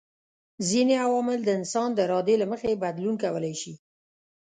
ځيني عوامل د انسان د ارادې له مخي بدلون کولای سي